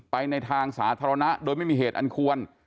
ในทางสาธารณะโดยไม่มีเหตุอันควร